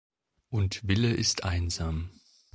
Und Wille ist einsam.